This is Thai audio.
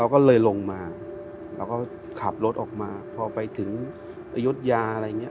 ก็เลยลงมาแล้วก็ขับรถออกมาพอไปถึงอายุทยาอะไรอย่างนี้